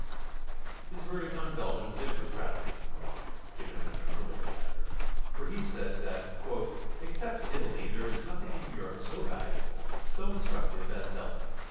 His verdict on Belgium differs radically from mine, given in an earlier chapter, for he says that "except Italy there is nothing in Europe so valuable, so instructive as Belgium.